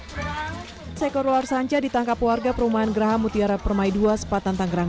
hai sekor ular sanca ditangkap warga perumahan geraha mutiara permai ii sepatan tanggerang